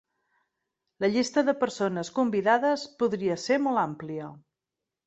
La llista de persones convidades podria ser molt àmplia.